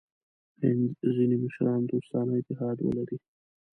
هند ځیني مشران دوستانه اتحاد ولري.